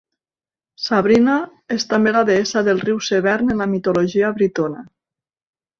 Sabrina és també la deessa del riu Severn en la mitologia britona.